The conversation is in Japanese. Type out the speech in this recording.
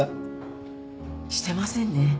してませんね。